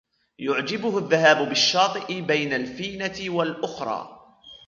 يعجبه الذهاب بالشاطئ بين الفينة والأخرى.